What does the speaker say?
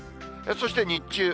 そして日中。